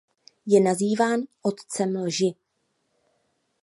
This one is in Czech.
Je nazýván otcem lži.